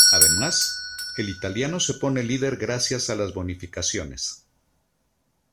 Además, el italiano se pone líder gracias a las bonificaciones.